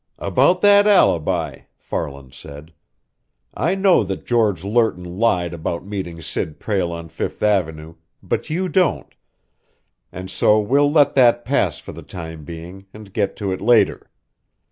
"About that alibi," Farland said. "I know that George Lerton lied about meeting Sid Prale on Fifth Avenue, but you don't, and so we'll let that pass for the time being and get to it later.